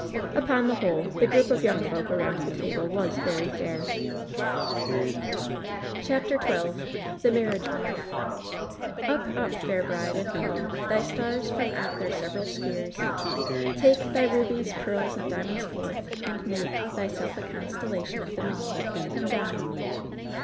Upon the whole, the group of young folk around the table was very fair. CHAPTER XII THE MABBIAGE MOBN Up, up, fair bride, and call Thy stars from out their several spheres — take Thy rubies, pearls and diamonds forth, and make Thyself a constellation of them all. — ^Donne.